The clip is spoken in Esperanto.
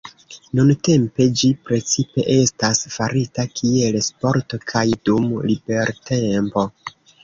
Nuntempe ĝi precipe estas farita kiel sporto kaj dum libertempo.